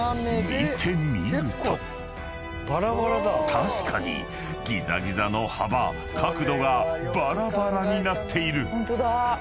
［確かにギザギザの幅角度がバラバラになっている］